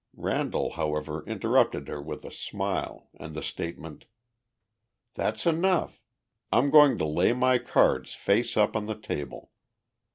Randall, however, interrupted her with a smile and the statement: "That's enough! I'm going to lay my cards face up on the table.